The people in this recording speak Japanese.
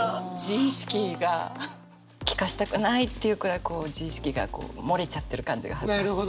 自意識が聞かせたくないっていうくらい自意識が漏れちゃってる感じが恥ずかしい。